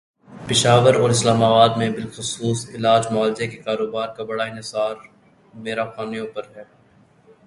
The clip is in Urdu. پشاور اور اسلام آباد میں بالخصوص علاج معالجے کے کاروبارکا بڑا انحصارامیر افغانوں پر ہے۔